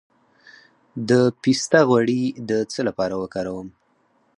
د پسته غوړي د څه لپاره وکاروم؟